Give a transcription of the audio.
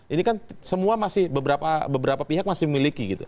ini kan semua masih beberapa pihak masih memiliki gitu